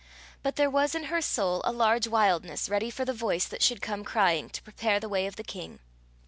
But there was in her soul a large wilderness ready for the voice that should come crying to prepare the way of the king.